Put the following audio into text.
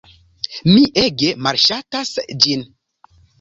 Mi ege malŝatas ĝin.